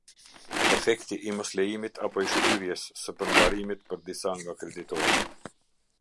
Efekti i moslejimit, apo i shtyrjes së përmbarimit për disa nga kreditorët.